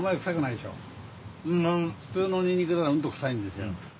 普通のニンニクだとうんと臭いんですけど。